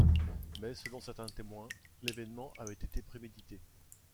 Mais selon certains témoins, l'événement avait été prémédité.